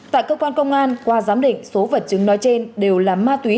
tại cơ quan công an qua giám định số vật chứng nói trên đều là ma túy